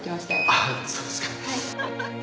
あっそうですか。